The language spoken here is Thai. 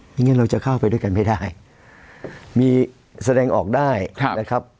งั้นเราจะเข้าไปด้วยกันไม่ได้มีแสดงออกได้นะครับ